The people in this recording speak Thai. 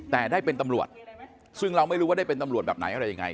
แต่ได้เป็นตำรวจซึ่งเราไม่รู้ว่าได้เป็นตำรวจแบบไหนอะไรยังไง